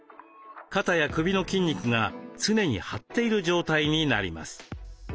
肩や首の筋肉が常に張っている状態になります。